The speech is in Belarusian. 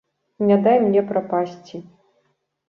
Не дай мне прапасці.